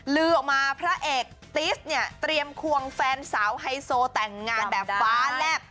ลือออกมาพระเอกติสเนี่ยเตรียมควงแฟนสาวไฮโซแต่งงานแบบฟ้าแลบ